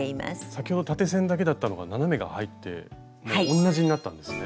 先ほど縦線だけだったのが斜めが入って同じになったんですね。